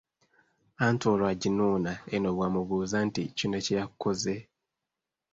Anti olwo aginuuna eno bw’amubuuza nti, “kino kye yakukoze?"